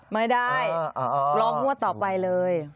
ไม่ได้ร้องงวดต่อไปเลย